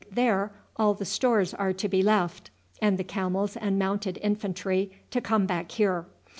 There all the stores are to be left, and the camels and Mounted Infantry to come back here.